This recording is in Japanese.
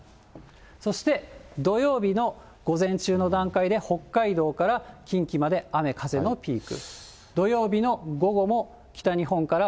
そして土曜日の午前中の段階で北海道から近畿まで雨風のピーク。